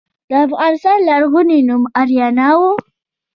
د افغانستان لرغونی نوم اریانا و